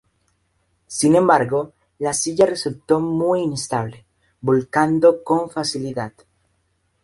Sin embargo, la silla resultó muy inestable, volcando con facilidad.